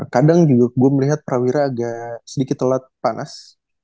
kadang juga gue melihat prawira agak sedikit telat panas